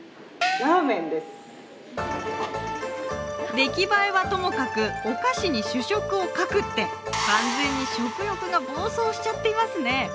出来栄えはともかくお菓子に主食を描くって完全に食欲が暴走しちゃっていますね。